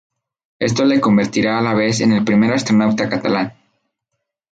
Esto le convertirá a la vez en el primer astronauta catalán.